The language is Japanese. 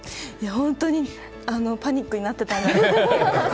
本当にパニックになってたと。